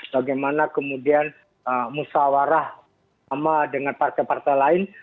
bagaimana kemudian musawarah sama dengan partai partai lain